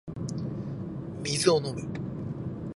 水を飲む